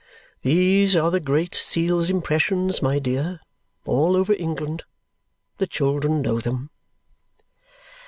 These are the Great Seal's impressions, my dear, all over England the children know them!"